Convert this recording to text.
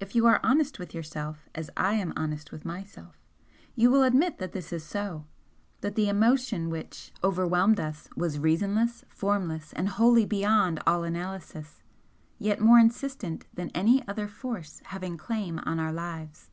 If you are honest with yourself as I am honest with myself, you will admit that this is so, that the emotion which overwhelmed us was reasonless, formless and wholly beyond all analysis, yet more insistent than any other force having claim on our lives.